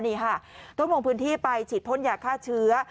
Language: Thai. นี่ค่ะต้องลงพื้นที่ไปฉีดพ่นยาฆ่าเชื้อ